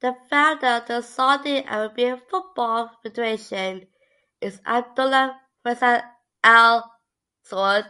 The founder of the Saudi Arabian Football Federation is Abdullah Faisal Al Saud.